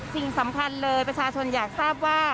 สิ่งสำคัญเลยประชาชนอยากทราบว่า